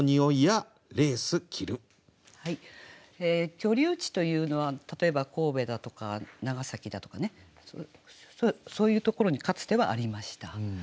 居留地というのは例えば神戸だとか長崎だとかそういうところにかつてはありました。